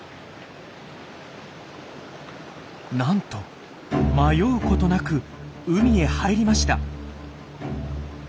なんと迷うことなく海へ入りました。